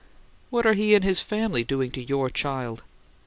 "What are he and his family doing to 'your child?'"